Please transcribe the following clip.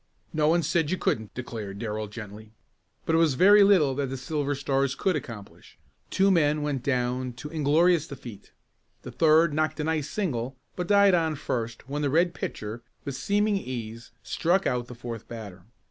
"No one said you couldn't," declared Darrell gently. But it was very little that the Silver Stars could accomplish. Two men went down to inglorious defeat. The third knocked a nice single but died on first when the Red pitcher with seeming ease struck out the fourth batter.